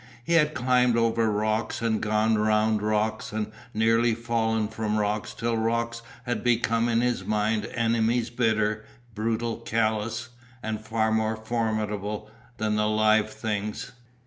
He had climbed over rocks and gone round rocks and nearly fallen from rocks till rocks had become in his mind enemies bitter, brutal, callous, and far more formidable than live things.